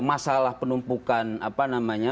masalah penumpukan apa namanya